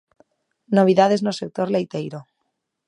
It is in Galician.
Novidades no sector leiteiro.